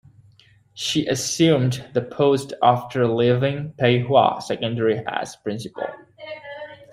She assumed the post after leaving Pei Hua Secondary as Principal.